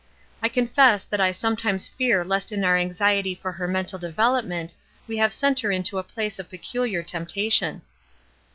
I confess that I sometimes fear lest in our anxiety for her mental development we have sent her into a place of pecuUar temptation."